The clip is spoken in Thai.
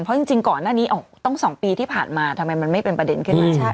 เพราะจริงก่อนหน้านี้ต้อง๒ปีที่ผ่านมาทำไมมันไม่เป็นประเด็นขึ้นมา